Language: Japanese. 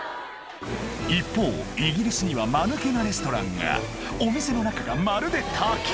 一方イギリスにはマヌケなレストランがお店の中がまるで滝！